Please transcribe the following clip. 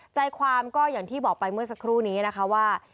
ใจความก็อย่างที่บอกไปเมื่อสักครู่นี้นะคะว่า